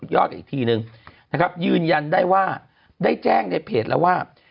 ยอดอีกทีนึงนะครับยืนยันได้ว่าได้แจ้งในเพจแล้วว่า